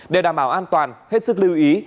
để đảm bảo an toàn hết sức lưu ý